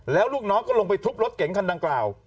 แล้วลูกน้องก็ลงไปทุบรถเก๋งคันดังกล่าว